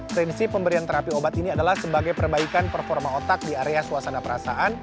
prinsip pemberian terapi obat ini adalah sebagai perbaikan performa otak di area suasana perasaan